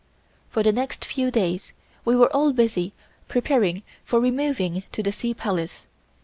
For the next few days we were all busy preparing for removing to the Sea Palace.